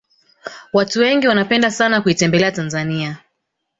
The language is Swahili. watu wengi wanapenda sana kuitembelea tanzania